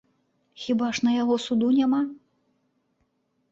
Хіба ж на яго суду няма?